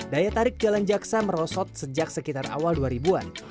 daya tarik jalan jaksa merosot sejak sekitar awal dua ribu an